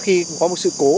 khi có một sự cố